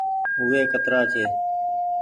هوئي ڪترآ ڇي۔